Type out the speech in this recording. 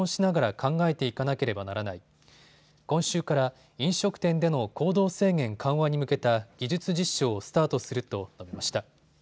今週から飲食店での行動制限緩和に向けた技術実証をスタートすると述べました。